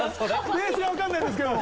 ベースが分かんないですけど。